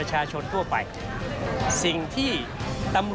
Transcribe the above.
ส่วนต่างกระโบนการ